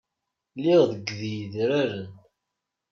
Lliɣ deg yedraren.